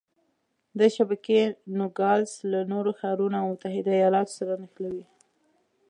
دا شبکې نوګالس له نورو ښارونو او متحده ایالتونو سره نښلوي.